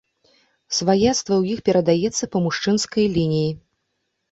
Сваяцтва ў іх перадаецца па мужчынскай лініі.